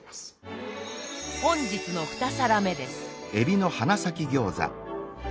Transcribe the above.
本日の２皿目です。